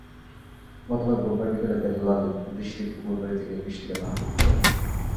গতকাল বুধবার বিকেলে বেল্লাল বৃষ্টির ফুপুর বাড়িতে গিয়ে বৃষ্টিকে মারপিট করেন।